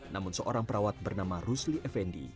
namun seorang perawat bernama rusli effendi